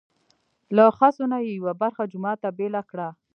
له خسو نه یې یوه برخه جومات ته بېله کړه.